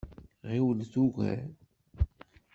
Ɣiwlet ugar!